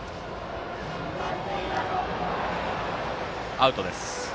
アウトです。